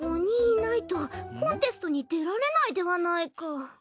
５人いないとコンテストに出られないではないか。